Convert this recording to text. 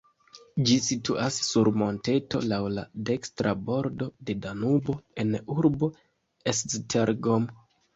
Ĝi situas sur monteto laŭ la dekstra bordo de Danubo en urbo Esztergom.